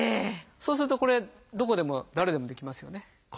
そうするとこれどこでも誰でもできますよね。